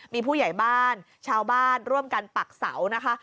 มีผู้ใหญ่บ้านชาวบ้านร่วมกันปักเสานะคะ